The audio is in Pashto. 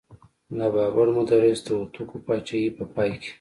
ملا بابړ مدرس د هوتکو پاچاهۍ په پای کې.